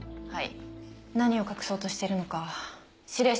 はい。